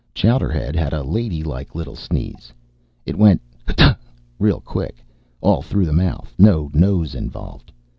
Chowderhead had a ladylike little sneeze; it went hutta, real quick, all through the mouth, no nose involved.